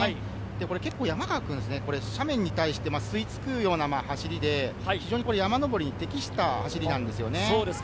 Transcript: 結構、山川君、斜面に対して吸いつくような走りで非常に山上りに適した走りなんですよね。